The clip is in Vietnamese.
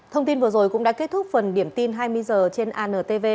thông tin vừa rồi cũng đã kết thúc phần điểm tin hai mươi h trên antv